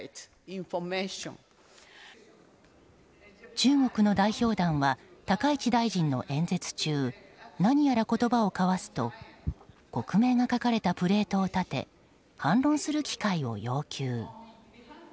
中国の代表団は高市大臣の演説中何やら言葉を交わすと国名が書かれたプレートを立て反論する機会を要求。